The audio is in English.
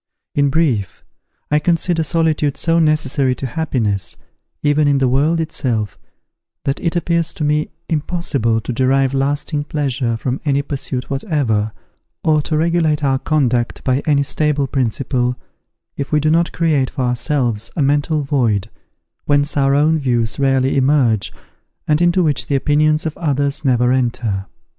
In brief, I consider solitude so necessary to happiness, even in the world itself, that it appears to me impossible to derive lasting pleasure from any pursuit whatever, or to regulate our conduct by any pursuit whatever, or to regulate our conduct by any stable principle, if we do not create for ourselves a mental void, whence our own views rarely emerge, and into which the opinions of others never enter.